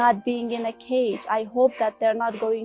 saya berharap mereka tidak akan berada di dalam kudang